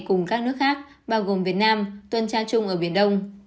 cùng các nước khác bao gồm việt nam tuần tra chung ở biển đông